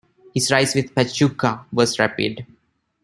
His rise with Pachuca was rapid.